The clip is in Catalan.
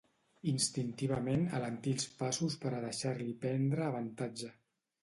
Instintivament alentí els passos per a deixar-li prendre avantatge.